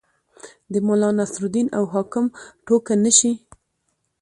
د ملا نصرالدین او حاکم ټوکه نه شي.